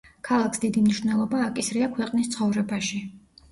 ქალაქს დიდი მნიშვნელობა აკისრია ქვეყნის ცხოვრებაში.